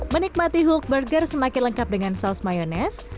menikmati hulk burger semakin lengkap dengan saus mayonese